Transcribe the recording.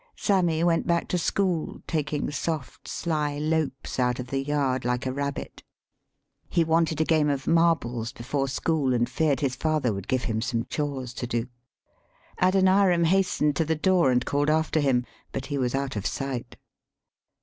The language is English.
Sammy went back to school, taking soft sly lopes out of the yard like a rabbit. He wanted a game of marbles before school, and feared his 160 THE SHORT STORY father would give him some chores to do. Ad oniram hastened to the door and called after him, but he was out of sight.